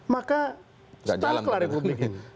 maka setelah kelari publik ini